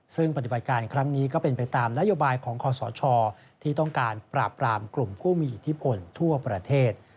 ซึ่งปฏิบัติการครั้งนี้ก็เป็นไปตามนโยบายของคอสชที่ต้องการปราบปรามกลุ่มผู้มีอิทธิพลทั่วประเทศ